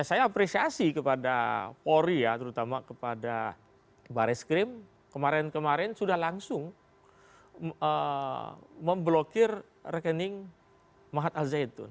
saya apresiasi kepada polri ya terutama kepada baris krim kemarin kemarin sudah langsung memblokir rekening mahat al zaitun